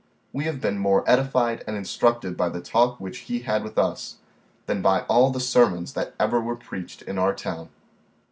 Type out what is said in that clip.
We have been more edified and instructed by the talk which he had with us, than by all the sermons that ever were preached in our town.